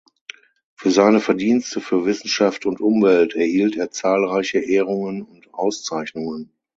Für seine Verdienste für Wissenschaft und Umwelt erhielt er zahlreiche Ehrungen und Auszeichnungen.